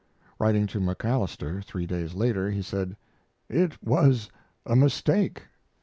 Writing to MacAlister three days later he said: It was a mistake.